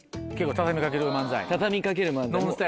畳みかける漫才。